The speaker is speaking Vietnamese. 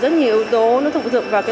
rất nhiều yếu tố nó phụ thuộc vào